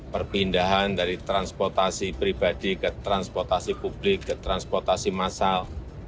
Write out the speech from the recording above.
perpindahan dari transportasi pribadi ke transportasi publik ke transportasi massal